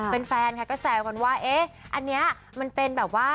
แฟนค่ะก็แซวกันว่าเอ๊ะอันนี้มันเป็นแบบว่า